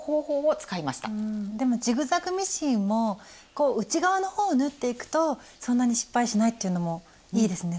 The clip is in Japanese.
でもジグザグミシンも内側のほうを縫っていくとそんなに失敗しないっていうのもいいですね。